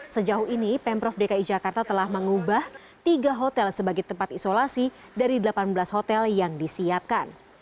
sejauh ini pemprov dki jakarta telah mengubah tiga hotel sebagai tempat isolasi dari delapan belas hotel yang disiapkan